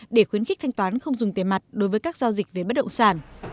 để khuyến khích thanh toán không dùng tiền mặt đối với các giao dịch về bất động sản